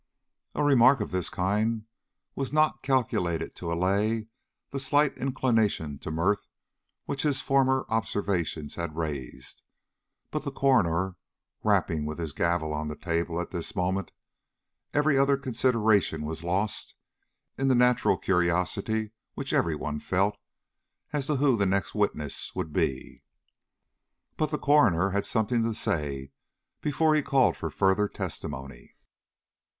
A remark of this kind was not calculated to allay the slight inclination to mirth which his former observation had raised; but the coroner rapping with his gavel on the table at this moment, every other consideration was lost in the natural curiosity which every one felt as to who the next witness would be. But the coroner had something to say before he called for further testimony.